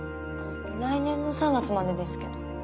来年の３月までですけど。